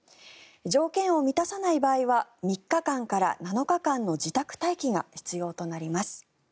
条件を満たさない場合は３日間から７日間の自宅待機が必要となります。